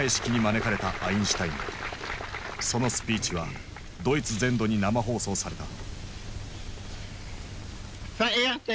そのスピーチはドイツ全土に生放送された。